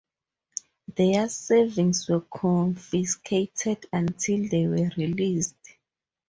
Their savings were confiscated until they were released.